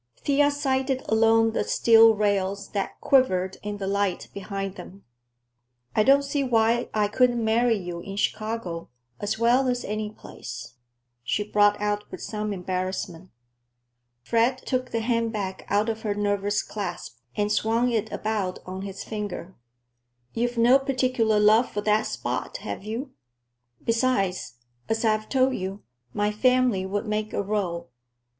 Thea sighted along the steel rails that quivered in the light behind them. "I don't see why I couldn't marry you in Chicago, as well as any place," she brought out with some embarrassment. Fred took the handbag out of her nervous clasp and swung it about on his finger. "You've no particular love for that spot, have you? Besides, as I've told you, my family would make a row.